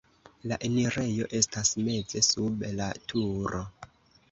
La enirejo estas meze sub la turo.